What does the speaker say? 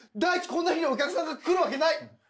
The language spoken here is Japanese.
こんな日にお客さんが来るわけない。